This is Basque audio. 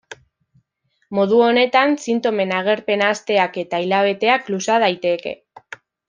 Modu honetan sintomen agerpena asteak eta hilabeteak luza daiteke.